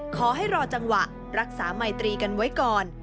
ขอให้รอจังหวะรักษาไมตรีกันไว้ก่อน